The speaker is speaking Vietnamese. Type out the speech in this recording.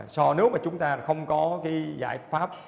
so nếu mà chúng ta không có cái giải pháp